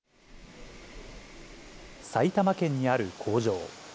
埼玉県にある工場。